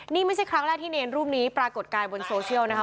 นี่ไม่ใช่ครั้งแรกที่เนรรูปนี้ปรากฏกายบนโซเชียลนะคะ